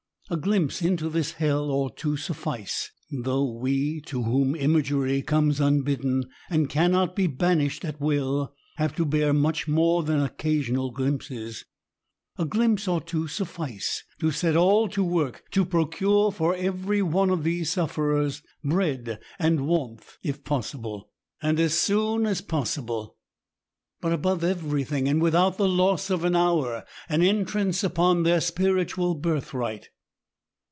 A glimpse into this hell ought to suffice, (though we to whom imagery comes unbidden, and cannot be banished at will, have to bear much more than occasional glimpses ;) a glimpse ought to suffice to set all to work to procure for every one of these sufferers, bread and warmth, if possible, and as soon . as POWER OF IDEAS IN THE SICK ROOM. 165 possible; but above everything, and without the loss of an hour, an entrance upon their spiritual birthright.